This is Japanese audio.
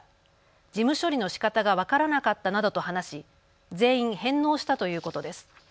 事務処理のしかたが分からなかったなどと話し全員、返納したということです。